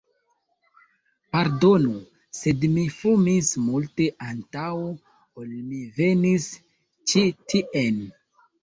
Pardonu, sed mi fumis multe antaŭ ol mi venis ĉi tien...